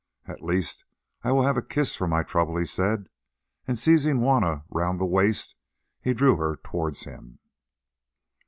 "At least I will have a kiss for my trouble," he said, and seizing Juanna round the waist, he drew her towards him.